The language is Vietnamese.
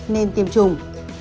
nên tiêm chủng